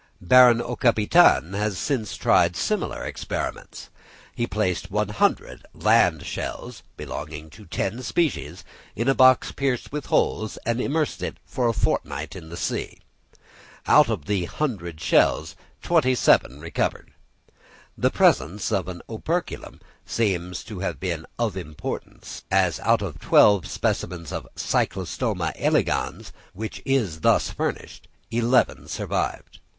Baron Aucapitaine has since tried similar experiments. He placed 100 land shells, belonging to ten species, in a box pierced with holes, and immersed it for a fortnight in the sea. Out of the hundred shells twenty seven recovered. The presence of an operculum seems to have been of importance, as out of twelve specimens of Cyclostoma elegans, which is thus furnished, eleven revived.